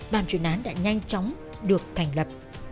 bàn chuyến án đã nhanh chóng được thành lập